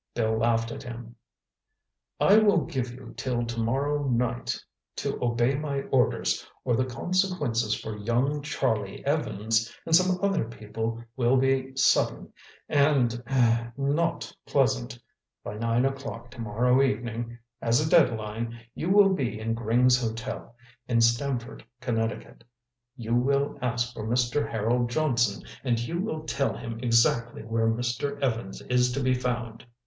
Bill laughed at him. "I will give you till tomorrow night to obey my orders or the consequences for young Charlie Evans and some other people will be sudden and—er—not pleasant. By nine o'clock tomorrow evening as a deadline you will be in Gring's Hotel, in Stamford, Connecticut. You will ask for Mr. Harold Johnson, and you will tell him exactly where Mr. Evans is to be found.